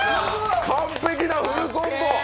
完璧なフルコンボ！